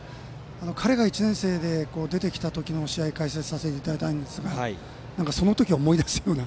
彼が１年生で出てきた時の試合を解説させていただいたんですがその時を思い出すような。